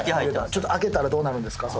ちょっと開けたらどうなるんですか？